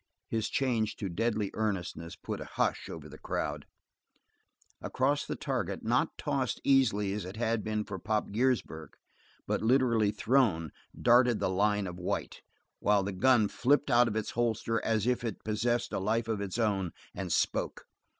His change to deadly earnestness put a hush over the crowd. Across the target, not tossed easily as it had been for Pop Giersberg, but literally thrown, darted the line of white, while the gun flipped out of its holster as if it possessed life of its own and spoke.